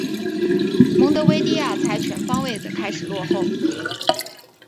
蒙得维的亚才全方位的开始落后。